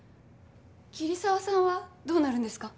桐沢さんはどうなるんですか？